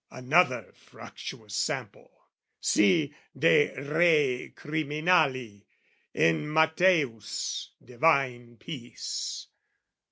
Another fructuous sample, see "De Re "Criminali," in MatthAeus' divine piece.